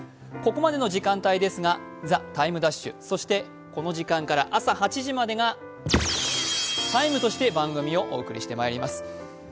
ここまでの時間帯ですが「ＴＨＥＴＩＭＥ’」そしてこの時間から朝８時までが「ＴＨＥＴＩＭＥ，」として番組をお送りしていきます。